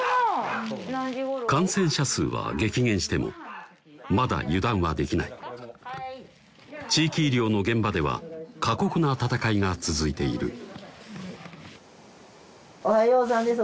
感染者数は激減してもまだ油断はできない地域医療の現場では過酷な闘いが続いているおはようさんです